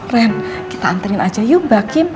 ren kita anterin aja yuk mbak kim